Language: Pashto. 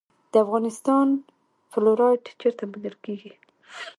د افغانستان فلورایټ چیرته موندل کیږي؟